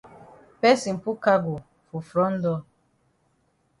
Person put cargo for front door.